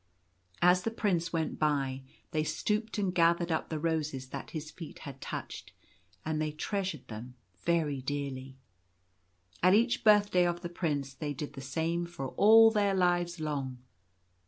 As the Prince went by, they stooped and gathered up the roses that his feet had touched ; and they treasured them very dearly. At each birthday of the Prince they did the same for all their lives long.